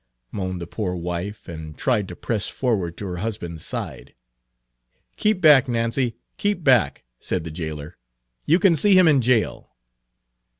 moaned the poor wife, and tried to press forward to her husband's side. "Keep back, Nancy, keep back," said the jailer. "You can see him in jail."